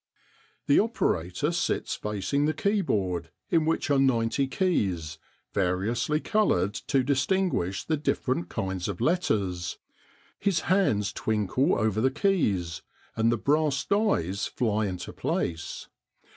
_] The operator sits facing the keyboard, in which are ninety keys, variously coloured to distinguish the different kinds of letters. His hands twinkle over the keys, and the brass dies fly into place.